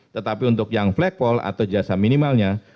tetapi untuk yang flagball atau jasa minimalnya